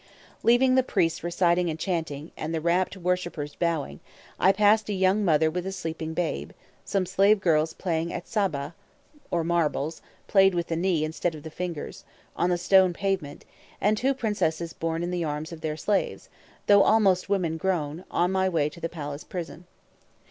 Leaving the priests reciting and chanting, and the rapt worshippers bowing, I passed a young mother with a sleeping babe, some slave girls playing at sabâh [Footnote: Marbles, played with the knee instead of the fingers.] on the stone pavement, and two princesses borne in the arms of their slaves, though almost women grown, on my way to the palace prison.